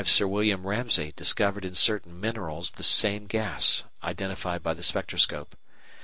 _In 1895 Sir William Ramsay discovered in certain minerals the same gas identified by the spectroscope.